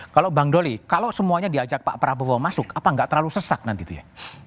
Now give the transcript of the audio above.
kalau bang doli kalau semuanya diajak pak prabowo masuk apa nggak terlalu sesak nanti itu ya